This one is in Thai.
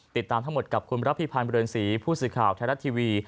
ติดตามทั้งหมดกับคุณรับพิพันธ์เรือนศรีผู้สื่อข่าวไทยรัฐทีวี